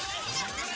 kau yang ngapain